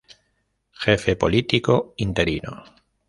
Jefe Político interino.